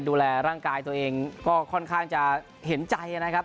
ดูแลร่างกายตัวเองก็ค่อนข้างจะเห็นใจนะครับ